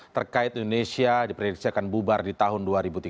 terkait indonesia diprediksi akan bubar di tahun dua ribu tiga puluh